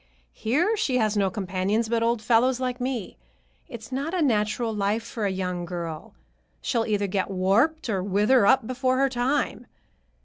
Here she has no companions but old fellows like me. It's not a natural life for a young girl. She'll either get warped, or wither up before her time.